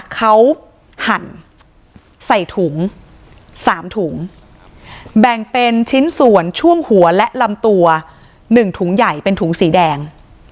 เขาหั่นใส่ถุง๓ถุงแบ่งเป็นชิ้นส่วนช่วงหัวและลำตัว๑ถุงใหญ่เป็นถุงสีแดง